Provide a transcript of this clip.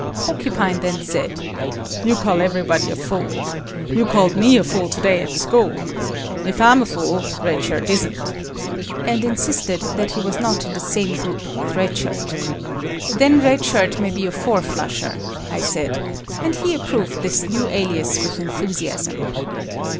Porcupine then said; "You call everybody a fool. You called me a fool to day at the school. If I'm a fool, Red Shirt isn't," and insisted that he was not in the same group with Red Shirt. "Then Red Shirt may be a four flusher," I said and he approved this new alias with enthusiasm.